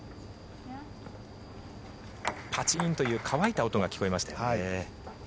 パチンという乾いた音が聞こえました。